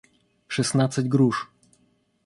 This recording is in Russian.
шестнадцать груш